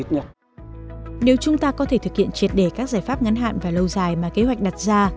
nếu chúng ta có thể thực hiện triệt để các giải pháp ngắn hạn và lâu dài mà kế hoạch đặt ra